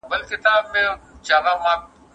تاسو باید د هلمند د سیند د پاکوالي خیال وساتئ.